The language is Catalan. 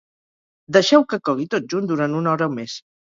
deixeu que cogui tot junt durant una hora o més